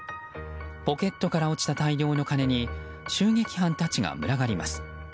ポケットから落ちた大量の金に襲撃犯たちが群がります。